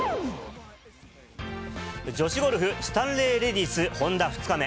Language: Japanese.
女子ゴルフ、スタンレーレディスホンダ２日目。